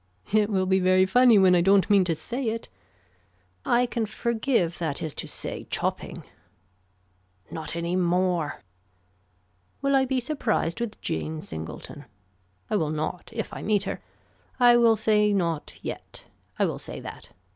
It will be very funny when I don't mean to say it. I can forgive that is to say chopping. Not any more. Will I be surprised with Jane Singleton. I will not if I meet her. I will say not yet. I will say that.